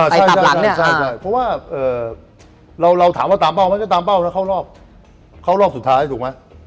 ใช่เพราะว่าเราถามว่าตามเป้ามันจะตามเป้านะเข้ารอบสุดท้ายถูกไหม